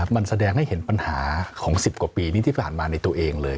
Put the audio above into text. มันแสดงให้เห็นปัญหาของ๑๐กว่าปีนี้ที่ผ่านมาในตัวเองเลย